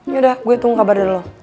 yaudah gue tunggu kabar dari lo